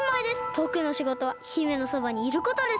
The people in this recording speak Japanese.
ぼくのしごとは姫のそばにいることですから！